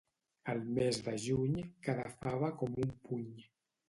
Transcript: Al mes de juny cada fava com un puny